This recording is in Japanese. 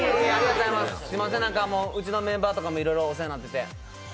すいません、うちのメンバーとかもお世話になってて。